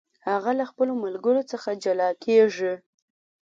هغه له خپلو ملګرو څخه جلا کیږي.